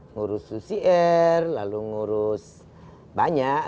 ngurus ucr lalu ngurus banyak